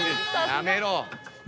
やめろ！